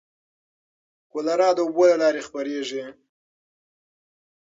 کولرا د اوبو له لارې خپرېږي.